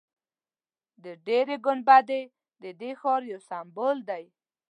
د ډبرې ګنبد ددې ښار یو سمبول دی.